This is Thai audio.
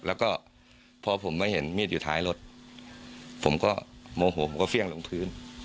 แล้วก็พอผมมาเห็นมีดอยู่ท้ายรถผมก็โมโหผมก็เฟี่ยงลงพื้น